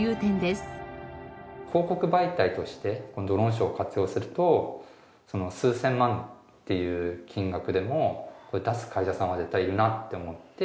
広告媒体としてドローンショーを活用すると数千万っていう金額でも出す会社さんは絶対いるなって思って。